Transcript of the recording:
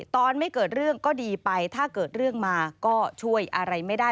ตอนไม่เกิดเรื่องก็ดีไปถ้าเกิดเรื่องมาก็ช่วยอะไรไม่ได้